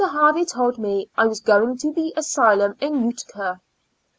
Harvey told me I was going to the asylum in Utica.